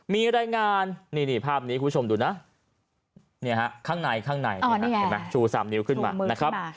มีรายงานนี่ภาพนี้คุณผู้ชมดูนะข้างในชู๓นิ้วขึ้นมา